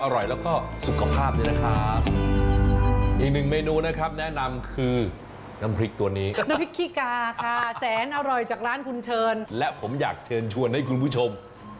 รสชาติยอดเยี่ยมครับ